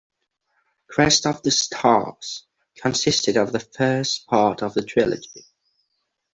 "Crest of the Stars" consisted of the first part of the trilogy.